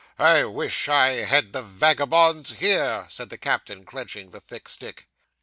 I wish I had the vagabonds here!' said the captain, clenching the thick stick.